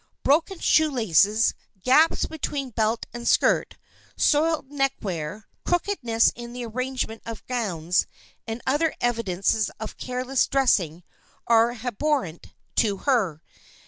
Broken shoe laces, gaps between belt and skirt, soiled neckwear, crookedness in the arrangement of gowns and other evidences of careless dressing are abhorrent to her.